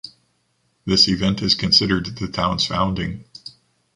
This event is considered the town’s founding.